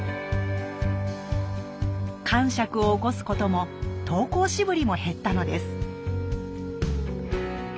かんしゃくを起こすことも登校しぶりも減ったのです。